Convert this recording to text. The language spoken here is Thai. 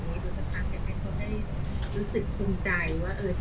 ส่วนยังแบร์ดแซมแบร์ด